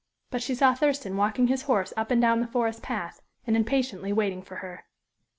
But she saw Thurston walking his horse up and down the forest path, and impatiently waiting for her.